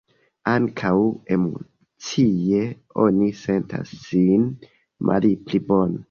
Ankaŭ emocie oni sentas sin malpli bone.